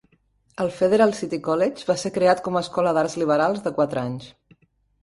El Federal City College va ser creat com a escola d'arts liberals de quatre anys.